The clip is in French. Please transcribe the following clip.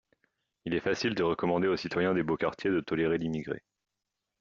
Il est facile de recommander au citoyen des beaux quartiers de tolérer l'immigré